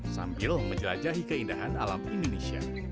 sambil menjelajahi keindahan alam indonesia